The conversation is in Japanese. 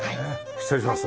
失礼します。